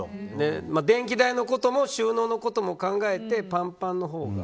電気代のことも収納のことも考えてぱんぱんのほうが。